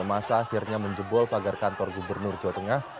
masa akhirnya menjebol pagar kantor gubernur jawa tengah